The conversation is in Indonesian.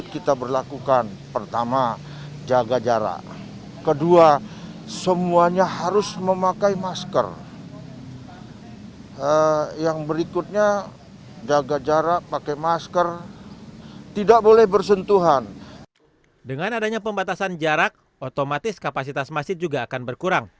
dengan adanya pembatasan jarak otomatis kapasitas masjid juga akan berkurang